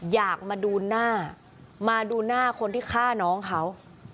อยากมาดูหน้ามาดูหน้าคนที่ฆ่าน้องเขา